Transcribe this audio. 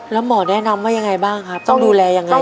แล้วหมอแนะนำว่ายังไงบ้างครับต้องดูแลยังไง